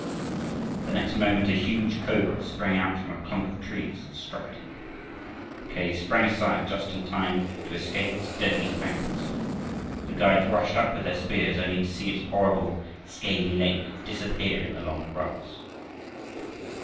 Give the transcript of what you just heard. The next moment a huge cobra sprang out from a clump of grass and struck at him. Mackay sprang aside just in time to escape its deadly fangs. The guides rushed up with their spears only to see its horrible scaly length disappear in the long grass.